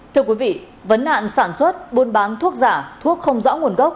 thưa quý vị vấn nạn sản xuất buôn bán thuốc giả thuốc không rõ nguồn gốc